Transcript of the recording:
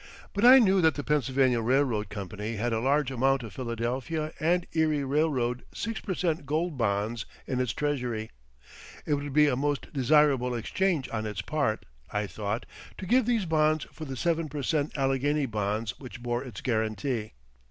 But I knew that the Pennsylvania Railroad Company had a large amount of Philadelphia and Erie Railroad six per cent gold bonds in its treasury. It would be a most desirable exchange on its part, I thought, to give these bonds for the seven per cent Allegheny bonds which bore its guarantee.